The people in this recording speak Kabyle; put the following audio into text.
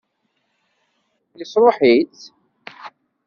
Yesṛuḥ-itt?